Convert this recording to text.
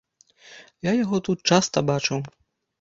Я яго тут часта бачыў.